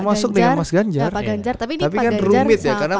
tapi ini pak ganjar sama pak prabowo